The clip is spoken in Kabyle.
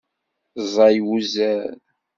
Ẓẓay wuzzal.